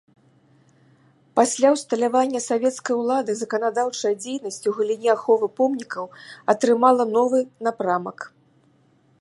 Пасля ўсталявання савецкай улады заканадаўчая дзейнасць у галіне аховы помнікаў атрымала новы напрамак.